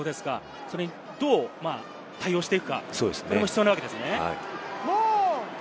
どう対応していくかも必要なわけですね。